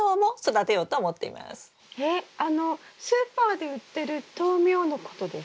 えっあのスーパーで売ってる豆苗のことですか？